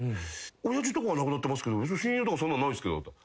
「親父とかは亡くなってますけど親友とかそういうのはないですけど」